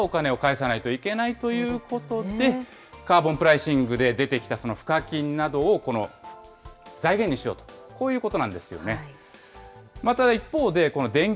ただこれ国債ですから将来はお金を返さないといけないということで、カーボンプライシングで出てきた賦課金などを、この財源にしよう、こういうことなんですよね。